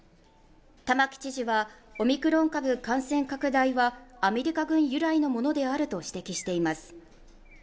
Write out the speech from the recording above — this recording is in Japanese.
玉城知事はオミクロン株感染拡大はアメリカ軍由来のものであると指摘しています